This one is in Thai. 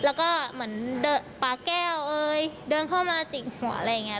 แล้วก็เหมือนปาแก้วเอ้ยเดินเข้ามาจิกหัวอะไรอย่างนี้